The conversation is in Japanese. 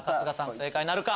正解なるか？